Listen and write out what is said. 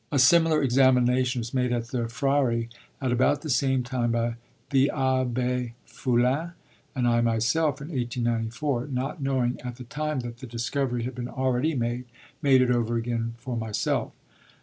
A similar examination was made at the Frari at about the same time by the Abbé Fulin; and I myself, in 1894, not knowing at the time that the discovery had been already made, made it over again for myself.